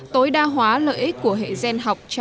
tối đa hóa lợi ích của hệ gian học